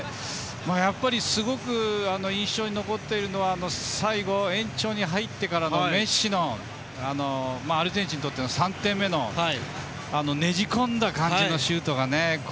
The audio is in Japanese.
すごく印象に残っているのは最後、延長に入ってからのメッシのアルゼンチンにとっての３点目のねじ込んだ感じのシュートがね。